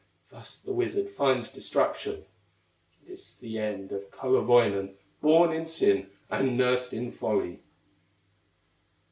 Thus the wizard finds destruction, This the end of Kullerwoinen, Born in sin, and nursed in folly.